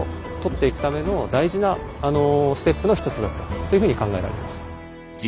っていうふうに考えられます。